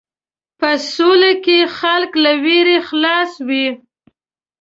په سوله کې خلک له وېرو خلاص وي.